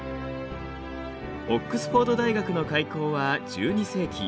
オックスフォード大学の開校は１２世紀。